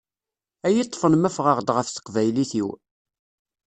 Ay-ṭfen ma fɣeɣ-d ɣef teqbaylit-iw.